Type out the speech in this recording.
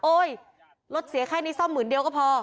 รถเสียค่านี้ซ่อมหมื่นเดียวก็พอ